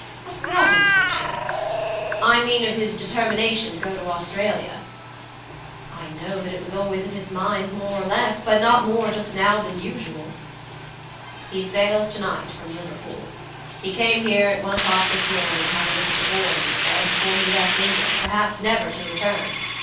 "Of what intention?" "I mean of his determination to go to Australia." "I know that it was always in his mind more or less, but not more just now than usual." "He sails to night from Liverpool. He came here at one o'clock this morning to have a look at the boy, he said, before he left England, perhaps never to return.